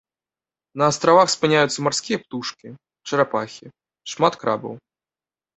На астравах спыняюцца марскія птушкі, чарапахі, шмат крабаў.